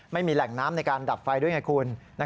ไม่มีแหล่งน้ำในการดับไฟด้วยไงคุณ